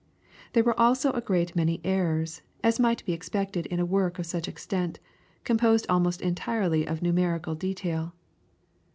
There were also a great many errors, as might be expected in a work of such extent, composed almost entirely of numerical detail.